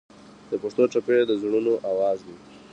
د پښتو ټپې د زړونو اواز دی.